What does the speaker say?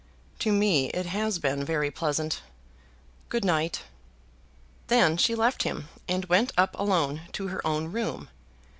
"To me it has been very pleasant. Good night." Then she left him, and went up alone to her own room.